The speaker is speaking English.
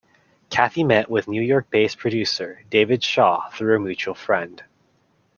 Kathy met with New York-based producer David Shaw through a mutual friend.